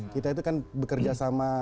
kita itu kan bekerja sama